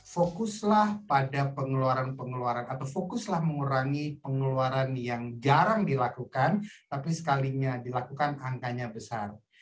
fokuslah pada pengeluaran pengeluaran atau fokuslah mengurangi pengeluaran yang jarang dilakukan tapi sekalinya dilakukan angkanya besar